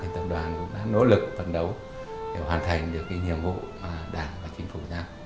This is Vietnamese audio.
tập đoàn cũng đã nỗ lực phấn đấu để hoàn thành được nhiệm vụ đảng và chính phủ